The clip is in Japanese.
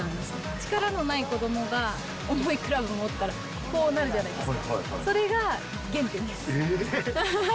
力のない子どもが重いクラブ持ったら、こうなるじゃないですか、それが原点です。